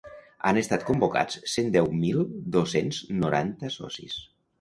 Han estat convocats cent deu mil dos-cents noranta socis.